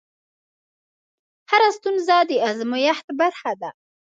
هره ستونزه د ازمېښت برخه ده.